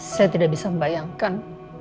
saya tidak bisa membayangkan